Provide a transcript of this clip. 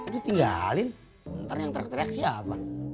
ditinggalin ntar yang tertiak tiak siapa